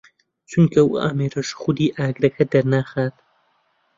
چونکە ئەو ئامێرەش خودی ئاگرەکە دەرناخات